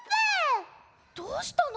どうしたの？